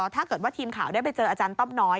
ถ้าเกิดว่าทีมข่าวได้ไปเจออาจารย์ต้อมน้อย